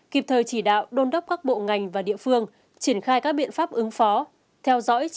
kịp thời chỉ đạo đôn đốc các bộ ngành và địa phương triển khai các biện pháp ứng phó